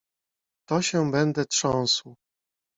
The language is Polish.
— To się będę trząsł.